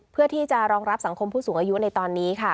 เพื่อที่จะรองรับสังคมผู้สูงอายุในตอนนี้ค่ะ